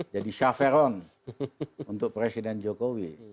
jadi chafferon untuk presiden jokowi